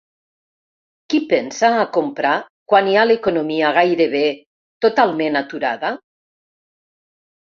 Qui pensa a comprar quan hi ha l’economia gairebé totalment aturada?